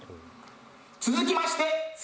「続きまして月」